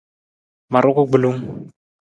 Ma ruku gbilung.